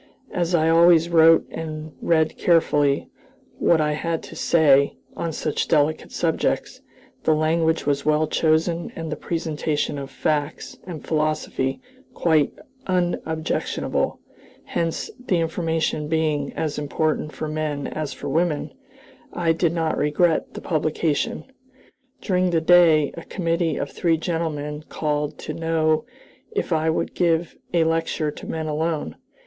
As I always wrote and read carefully what I had to say on such delicate subjects, the language was well chosen and the presentation of facts and philosophy quite unobjectionable; hence, the information being as important for men as for women, I did not regret the publication. During the day a committee of three gentlemen called to know if I would give a lecture to men alone.